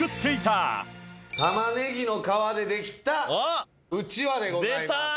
玉ねぎの皮でできたうちわでございます。